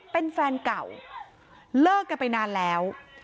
เป็นแฟนเก่าเลิกกันไปนานแล้ว